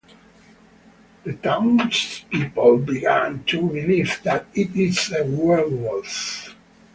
The townspeople begin to believe that it is a werewolf.